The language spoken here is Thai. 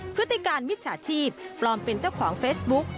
พฤติการมิจฉาชีพปลอมเป็นเจ้าของเฟซบุ๊ก